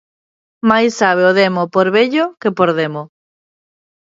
Máis sabe o demo por vello que por demo